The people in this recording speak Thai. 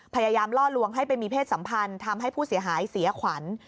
ล่อลวงให้ไปมีเพศสัมพันธ์ทำให้ผู้เสียหายเสียขวัญ